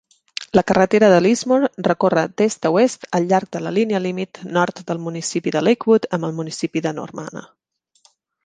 La carretera de Lismore recorre d'est a oest al llarg de la línia límit nord del municipi de Lakewood amb el municipi de Normanna.